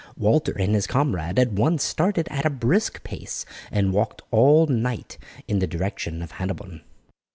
Walter and his comrade at once started at a brisk pace and walked all night in the direction of Hennebon.